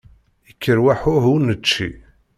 Ikker waḥuh ur nečči.